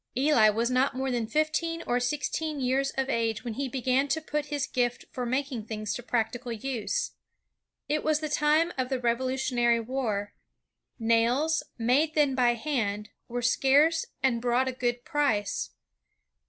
'" Eli was not more than fifteen or sixteen years of age when he began to put his gift for making things to prac tical use. It was the time of the Revolutionary War. Nails, made then by hand, were scarce and brought a good price.